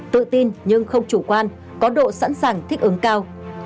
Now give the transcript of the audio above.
tự tin nhưng không chủ quan có độ sẵn sàng thích ứng cao